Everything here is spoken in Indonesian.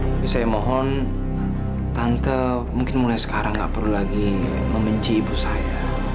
tapi saya mohon tante mungkin mulai sekarang nggak perlu lagi membenci ibu saya